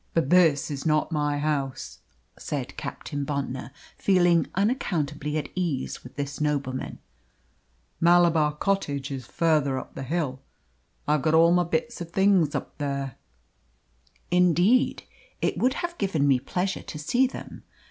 "But this is not my house," said Captain Bontnor, feeling unaccountably at ease with this nobleman. "Malabar Cottage is farther up the hill. I've got all my bits of things up there." "Indeed. It would have given me pleasure to see them.